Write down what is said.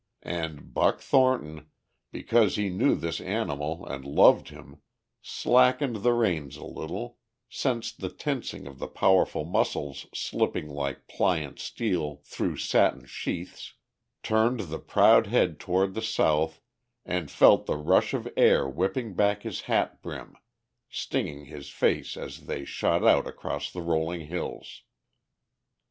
And Buck Thornton, because he knew this animal and loved him, slackened the reins a little, sensed the tensing of the powerful muscles slipping like pliant steel through satin sheaths, turned the proud head toward the south and felt the rush of air whipping back his hat brim, stinging his face as they shot out across the rolling hills.